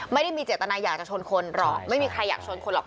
ไม่ได้มีเจตนาอยากจะชนคนหรอกไม่มีใครอยากชนคนหรอก